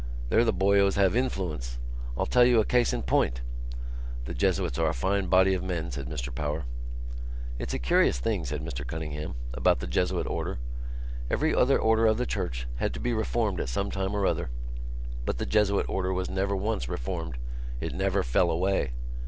They're the boyos have influence. I'll tell you a case in point...." "The Jesuits are a fine body of men," said Mr Power. "It's a curious thing," said Mr Cunningham, "about the Jesuit Order. Every other order of the Church had to be reformed at some time or other but the Jesuit Order was never once reformed. It never fell away."